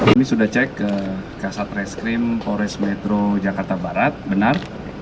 kami sudah cek ke kasat reskrim polres metro jakarta barat benar